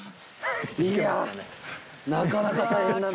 いやー、なかなか大変な。